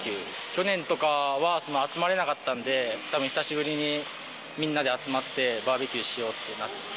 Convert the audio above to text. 去年とかは集まれなかったんで、たぶん久しぶりにみんなで集まって、バーベキューしようとなって。